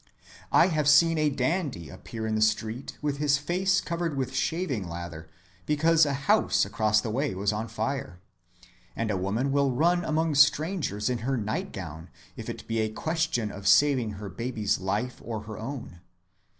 I have seen a dandy appear in the street with his face covered with shaving‐lather because a house across the way was on fire; and a woman will run among strangers in her nightgown if it be a question of saving her baby's life or her own.